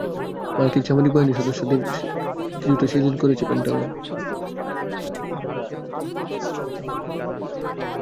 মার্কিন সামরিক বাহিনীর সদস্যদের ক্ষেত্রে পোশাকের নিয়ম-কানুনের কড়াকড়ি কিছুটা শিথিল করেছে পেন্টাগন।